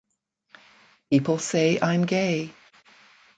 People say I'm gay...